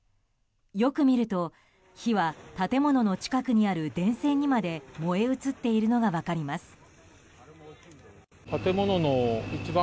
よく見ると、火は建物の近くにある電線にまで燃え移っているのが分かります。